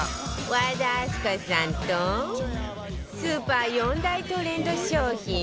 和田明日香さんとスーパー４大トレンド商品